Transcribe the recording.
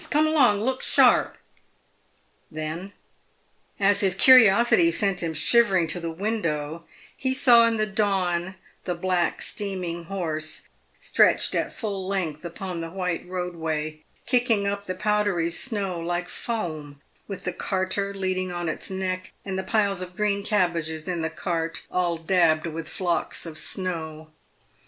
come along, look sharp !" Then, as his curiosity sent him shivering to the window, he saw in the dawn the black, steaming horse stretched at full length upon the white roadway, kicking up the powdery snow like foam, with the carter leaning on its neck, and the piles of green cabbages in the cart all dabbed with flocks of snow.